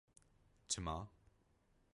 Çima?